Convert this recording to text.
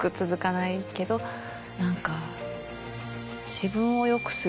何か。